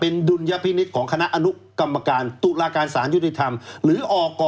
ดุลยพินิษฐ์ของคณะอนุกรรมการตุลาการสารยุติธรรมหรือออก